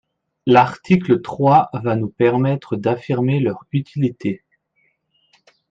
L’article trois va nous permettre d’affirmer leur utilité.